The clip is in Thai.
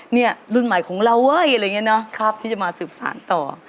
เนี่ยรุ่นใหม่ของเราเว้ยอะไรอย่างนี้นะครับที่จะมาสืบสารต่อ